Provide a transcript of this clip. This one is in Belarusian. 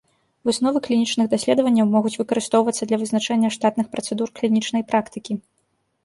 Высновы клінічных даследаванняў могуць выкарыстоўвацца для вызначэння штатных працэдур клінічнай практыкі.